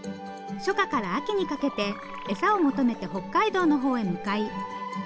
初夏から秋にかけて餌を求めて北海道のほうへ向かい。